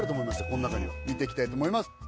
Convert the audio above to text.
この中には見ていきたいと思います